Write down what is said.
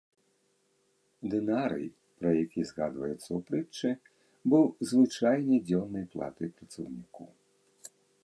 Дынарый, пра які згадваецца ў прытчы, быў звычайнай дзённай платай працаўніку.